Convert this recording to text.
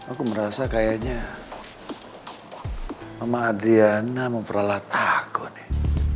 aku merasa kayaknya mama adriana memperalat aku nih